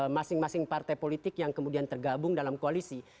masing masing partai politik yang kemudian tergabung dalam koalisi